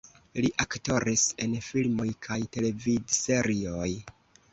Li aktoris en filmoj kaj televidserioj.